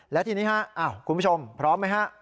และทีนี้ครับคุณผู้ชมพร้อมไหมครับ